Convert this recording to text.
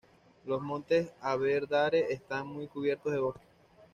Los montes Aberdare están muy cubiertos de bosque.